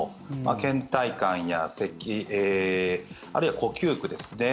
けん怠感やせきあるいは呼吸苦ですね。